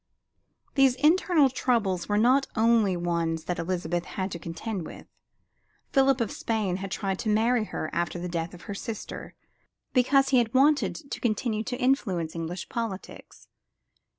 These internal troubles were not the only ones that Elizabeth had to contend with. Philip of Spain had tried to marry her after the death of her sister, because he wanted to continue to influence English politics.